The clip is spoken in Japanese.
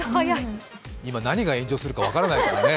今、何が炎上するか分からないからね。